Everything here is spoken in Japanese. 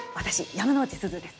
山之内すずです。